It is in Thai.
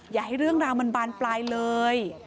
อย่าให้เรื่องราวมันบานปลายเลย